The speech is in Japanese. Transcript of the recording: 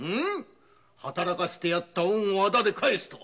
働かせてやった恩を仇で返すとは。